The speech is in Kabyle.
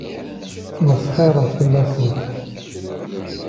Ttmesxiṛent fell-asent.